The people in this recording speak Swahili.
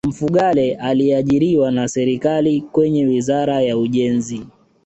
mfugale aliajiriwa na serikali kwenye wizara ya ujenzi